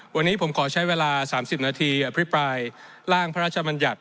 วันนี้ผมขอใช้เวลา๓๐นาทีอภิปรายร่างพระราชมัญญัติ